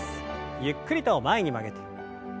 ゆっくりと前に曲げて。